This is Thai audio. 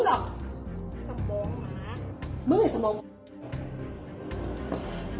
อาหารที่สุดท้าย